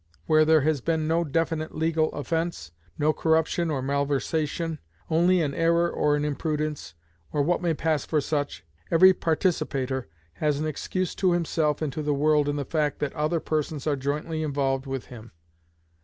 Where there has been no definite legal offense, no corruption or malversation, only an error or an imprudence, or what may pass for such, every participator has an excuse to himself and to the world in the fact that other persons are jointly involved with him.